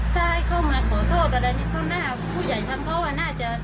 ถ้าเข้ามาขอโทษอะไรงี้เพราะนะผู้ใหญ่ทำเขาน่าจะ